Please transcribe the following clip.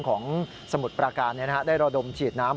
ของสมุดปราการได้รอดมฉีดน้ำ